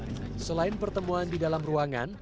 di desa banjarsari juga ada pertemuan di dalam desa